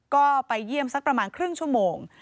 ก็ไปเยี่ยมสักประมาณครึ่งชั่วโมง